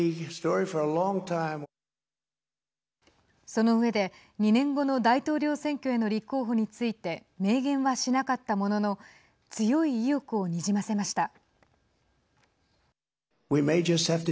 その上で、２年後の大統領選挙への立候補について明言はしなかったものの強い意欲をにじませました。